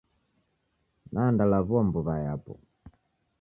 Nandalaw'ua mbuw'a yapo.